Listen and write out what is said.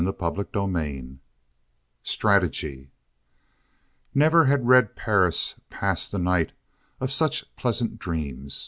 CHAPTER XIV STRATEGY Never had Red Perris passed a night of such pleasant dreams.